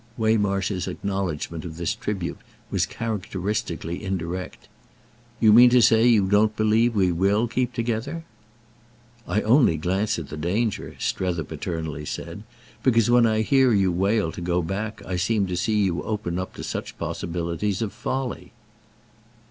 Waymarsh's acknowledgement of this tribute was characteristically indirect. "You mean to say you don't believe we will keep together?" "I only glance at the danger," Strether paternally said, "because when I hear you wail to go back I seem to see you open up such possibilities of folly."